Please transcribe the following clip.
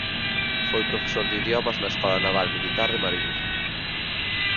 Foi profesor de idiomas na Escola Naval Militar de Marín.